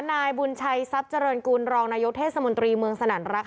นายบุญชัยทรัพย์เจริญกุลรองนายกเทศมนตรีเมืองสนั่นรัก